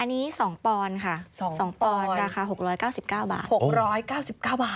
อันนี้๒ปอนค่ะ๒ปอนราคา๖๙๙บาท